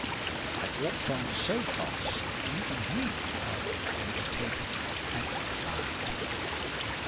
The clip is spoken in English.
I walked on so fast that even he could hardly have overtaken me had he tried.